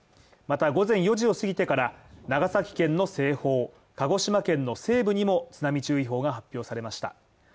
また午前４時を過ぎてから長崎県の西方、鹿児島県の西部にも津波注意報が発表されました。